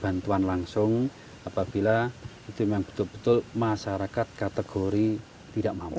bantuan langsung apabila itu memang betul betul masyarakat kategori tidak mampu